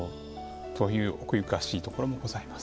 そういう奥ゆかしいところもございます。